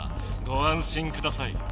ごあん心ください。